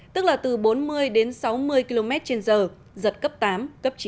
tức là từ bốn mươi đến sáu mươi km trên giờ giật cấp tám cấp chín